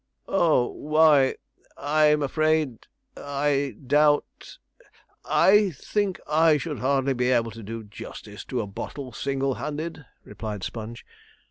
'Oh why I'm afraid I doubt I think I should hardly be able to do justice to a bottle single handed,' replied Sponge.